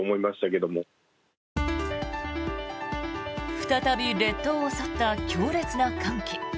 再び列島を襲った強烈な寒気。